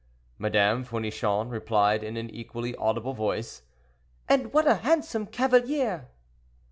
Madame Fournichon replied in an equally audible voice, "And what a handsome cavalier!"